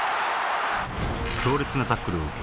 強烈なタックルを受け